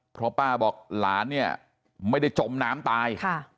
เพราะป้าบอกหลานเนี่ยไม่ได้จมน้ำตาย